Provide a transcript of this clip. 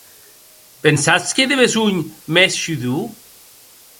Pensatz qu'ei de besonh mès sudor?